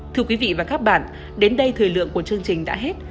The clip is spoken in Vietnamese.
thưa quý vị và các bạn đến đây thời lượng của chương trình đã hết